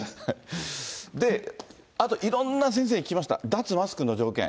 あと、いろんな先生に聞きました、脱マスクの条件。